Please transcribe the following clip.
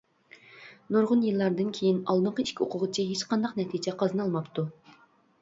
نۇرغۇن يىللاردىن كېيىن ئالدىنقى ئىككى ئوقۇغۇچى ھېچقانداق نەتىجە قازىنالماپتۇ.